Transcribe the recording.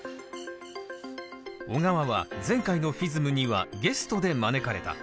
緒川は前回のＦＩＳＭにはゲストで招かれた。